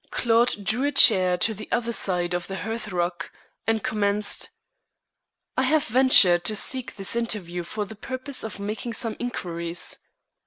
Claude drew a chair to the other side of the hearthrug, and commenced: "I have ventured to seek this interview for the purpose of making some inquiries."